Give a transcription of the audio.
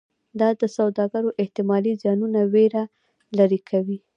دا د سوداګرو احتمالي زیانونو ویره لرې کوي.